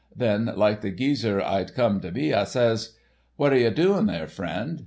Then, like the geeser I'd come to be, I says: "'What are ye doing there, friend?